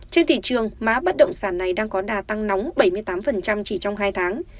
trên thị trường má bất động sản này đang có đà tăng nóng bảy mươi tám chỉ trong hai tháng